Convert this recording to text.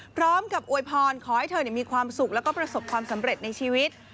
พร้อมกับโอยพรขอให้เธอมีความสุขและประสบความสำเร็จในชีวิต